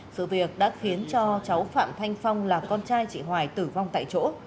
sự việc đã khiến cho cháu phạm thanh phong là con trai chị hoài tử vong tại chỗ